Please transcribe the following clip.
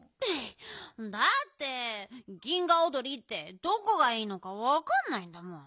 だって銀河おどりってどこがいいのかわかんないんだもん。